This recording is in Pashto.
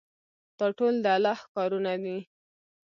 دا ټول د الله کارونه دي.